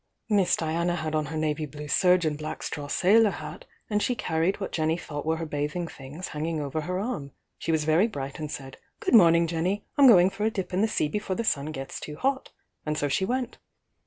Miss Diana had on her navy blue serge and blank straw sailor hat, and she carried what Jenny thought were her bathing things hanging over her arm. She was very bright and said: 'Good morning, Jenny! I'm going for a dip in the sea before the sun gets too hot.' And so she went."